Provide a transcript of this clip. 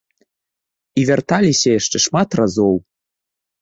І вярталіся яшчэ шмат разоў.